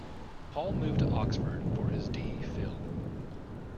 Paul moved to Oxford for his D Phil.